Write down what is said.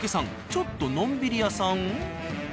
ちょっとのんびり屋さん？